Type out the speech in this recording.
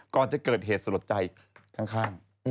ก่อนจะเกิดเหตุสลดใจข้าง